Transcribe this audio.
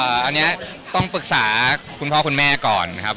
อันนี้ต้องปรึกษาคุณพ่อคุณแม่ก่อนนะครับ